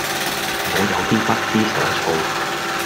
我有啲不知所措